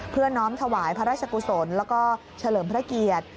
น้อมถวายพระราชกุศลแล้วก็เฉลิมพระเกียรติ